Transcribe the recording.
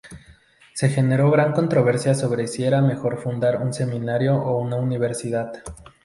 Se generó gran controversia sobre si era mejor fundar un seminario o una universidad.